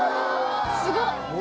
すごっ！